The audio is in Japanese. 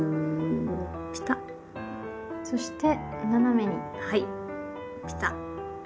そして斜めにはいピタッ。